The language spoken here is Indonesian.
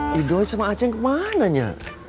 hidoy sama aceh ke mananya